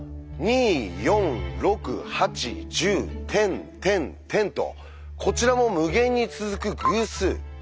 一方２４６８１０てんてんてんとこちらも無限に続く偶数。